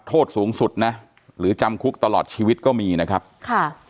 โทษสูงสุดนะหรือจำคุกตลอดชีวิตก็มีนะครับค่ะ